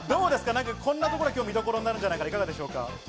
こんなところが今日見どころになるっていうのはいかがでしょうか？